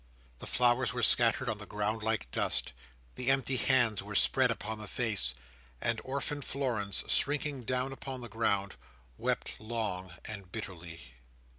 The flowers were scattered on the ground like dust; the empty hands were spread upon the face; and orphaned Florence, shrinking down upon the ground, wept long and bitterly.